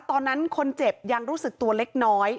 ตอนนั้นคนเจ็บยังรู้สึกตัวเล็กน้อย